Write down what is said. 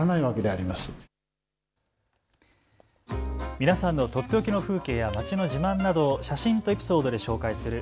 皆さんのとっておきの風景や街の自慢などを写真とエピソードで紹介する＃